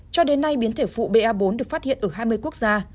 cho đến nay biến thể phụ ba bốn được phát hiện ở hai mươi quốc gia